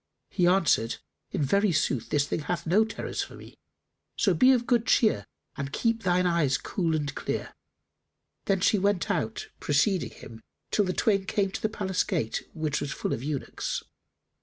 He answered, "In very sooth this thing hath no terrors for me, so be of good cheer and keep thine eyes cool and clear." Then she went out preceding him till the twain came to the palace gate, which was full of eunuchs.